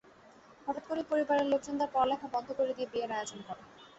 হঠাৎ করেই পরিবারের লোকজন তার পড়ালেখা বন্ধ করে দিয়ে বিয়ের আয়োজন করে।